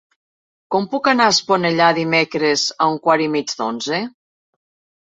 Com puc anar a Esponellà dimecres a un quart i mig d'onze?